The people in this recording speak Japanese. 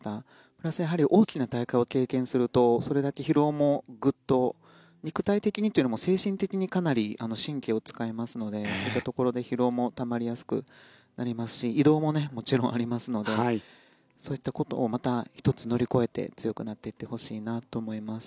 プラス大きな大会を経験するとそれだけ疲労もグッと肉体的にというよりも精神的にかなり神経を使いますのでそういったところで疲労もたまりやすくなりますし移動ももちろんありますのでそういったことをまた１つ乗り越えて強くなっていってほしいなと思います。